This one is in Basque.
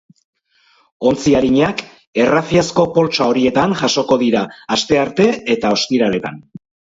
Ontzi arinak errafiazko poltsa horietan jasoko dira astearte eta ostiraletan.